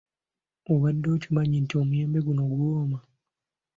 Obadde okimanyi nti omuyembe guno guwooma?